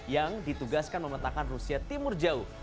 yang ditugaskan memetakkan rusia timur jauh